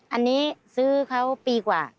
อันนี้ซื้อเขาปีกว่า